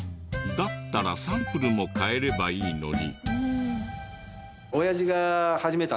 だったらサンプルも変えればいいのに。